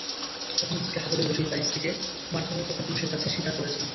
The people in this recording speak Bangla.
প্রাথমিক জিজ্ঞাসাবাদে রশিদ তাঁর স্ত্রীকে মারধরের কথা পুলিশের কাছে স্বীকার করেছেন।